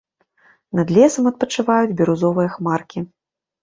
Над лесам адпачываюць бірузовыя хмаркі.